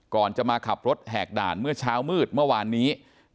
ก่อนจะมาขับรถแหกด่านเมื่อเช้ามืดเมื่อวานนี้